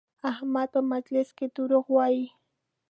احمد په مجلس کې دروغ وایي؛